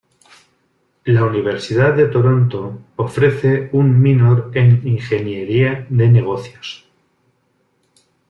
La Universidad de Toronto ofrece un minor en ingeniería de negocios.